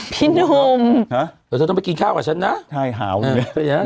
พี่นุ่มเดี๋ยวเธอต้องไปกินข้าวกับฉันนะหาวเหนื่อย